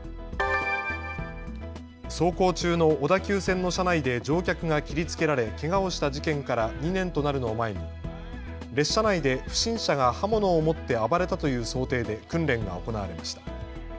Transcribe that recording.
走行中の小田急線の車内で乗客が切りつけられけがをした事件から２年となるのを前に列車内で不審者が刃物を持って暴れたという想定で訓練が行われました。